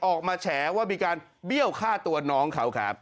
แฉว่ามีการเบี้ยวฆ่าตัวน้องเขาครับ